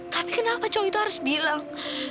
tapi kenapa cowok itu harus bilang